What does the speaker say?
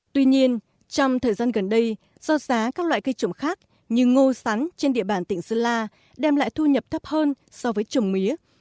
tuy nhiên trong thời gian gần đây do giá các loại cây trồng khác như ngô sắn trên địa bàn tỉnh sơn la đem lại thu nhập thấp hơn so với trồng mía